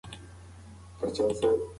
زموږ په کور کې ټول په پښتو خبرې کوي.